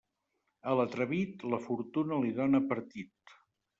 A l'atrevit, la fortuna li dóna partit.